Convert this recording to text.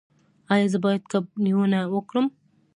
ایا زه باید کب نیونه وکړم؟